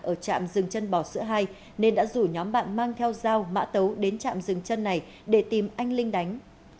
ở trạm rừng chân bò sữa hai nên đã rủ nhóm bạn mang theo dao mã tấu đến trạm rừng chân này để tìm anh linh đánh